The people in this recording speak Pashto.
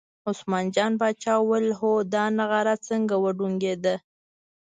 عثمان جان پاچا وویل هو دا نغاره څنګه وډنګېده.